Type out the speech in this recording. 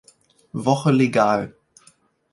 Woche legal.